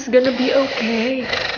semuanya akan baik baik saja